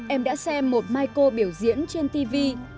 em đã xem một maiko biểu diễn trên tv